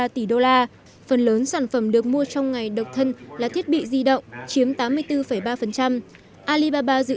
tỷ usd phần lớn sản phẩm được mua trong ngày độc thân là thiết bị di động chiếm tám mươi bốn ba alibaba dự